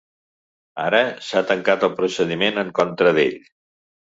Ara, s’ha tancat el procediment en contra d’ell.